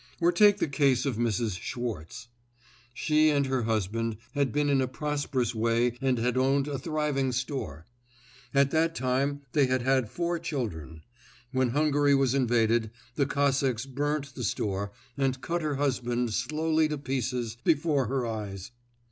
Or take the case of Mrs. Schwartz. She and her husband had been in a prosperous way and had owned a thriving store. At that time they had had four children. When Hungary was invaded, the Cossacks burnt the store and cut her husband slowly to pieces before her eyes.